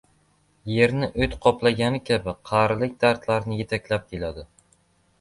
• Yerni o‘t qoplagani kabi qarilik dardlarni yetaklab keladi.